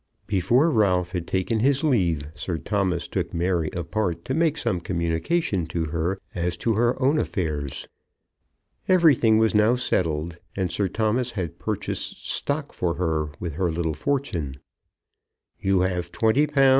Before Ralph had taken his leave Sir Thomas took Mary apart to make some communication to her as to her own affairs. Everything was now settled, and Sir Thomas had purchased stock for her with her little fortune. "You have £20 2_s.